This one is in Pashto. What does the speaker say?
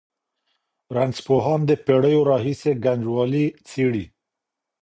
رنځپوهان د پېړیو راهېسې ګنجوالي څېړي.